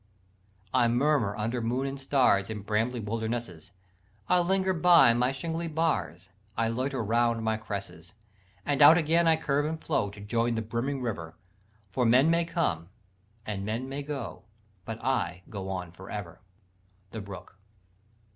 "I murmur under moon and stars In brambly wildernesses; I linger by my shingly bars; I loiter round my cresses; "And out again I curve and flow To join the brimming river, For men may come and men may go, But I go on for ever." _The Brook.